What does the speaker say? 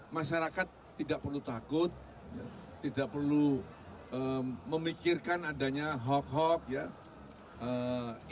masyarakat tidak perlu takut tidak perlu memikirkan adanya hoax hoax ya